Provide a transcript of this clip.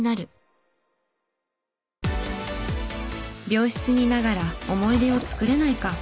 病室にいながら思い出を作れないか？